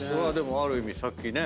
ある意味さっきね